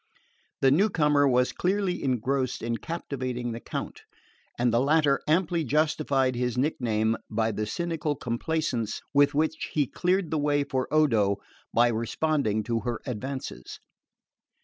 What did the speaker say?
The newcomer was clearly engrossed in captivating the Count, and the latter amply justified his nick name by the cynical complaisance with which he cleared the way for Odo by responding to her advances.